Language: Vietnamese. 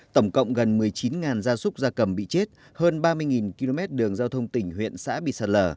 tổng cộng gần một mươi chín gia súc gia cầm bị chết hơn ba mươi km đường giao thông tỉnh huyện xã bị sạt lở